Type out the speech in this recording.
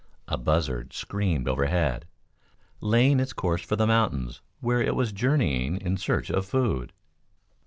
A buzzard screamed overhead, laying its course for the mountains where it was journeying in search of food.